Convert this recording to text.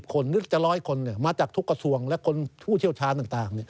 คนนึกจะ๑๐๐คนมาจากทุกกระทรวงและคนผู้เชี่ยวชาญต่าง